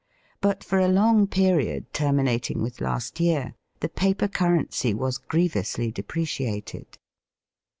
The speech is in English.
But for a long period terminating with last year, the paper currency was grievously depreciated.